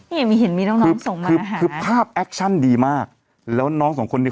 เห็นมีเห็นมีน้องน้องส่งมาคือภาพแอคชั่นดีมากแล้วน้องสองคนนี้